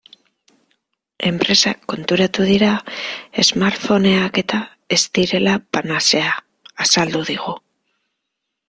Enpresak konturatu dira smartphoneak-eta ez direla panazea, azaldu digu.